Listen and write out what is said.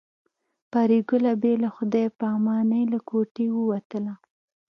پري ګله بې له خدای په امانۍ له کوټې ووتله